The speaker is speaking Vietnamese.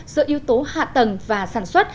giữa yếu tố hạ tầng và sản xuất